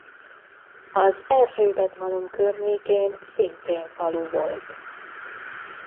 Az Erzsébet malom környékén szintén falu volt.